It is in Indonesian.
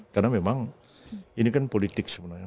karena memang ini kan politik sebenarnya